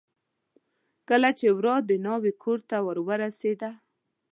کله چې ورا د ناوې کورته ور ورسېده.